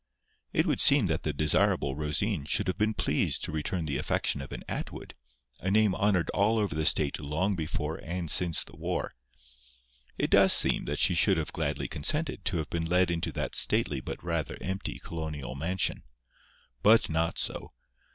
It would seem that the desirable Rosine should have been pleased to return the affection of an Atwood, a name honoured all over the state long before and since the war. It does seem that she should have gladly consented to have been led into that stately but rather empty colonial mansion. But not so.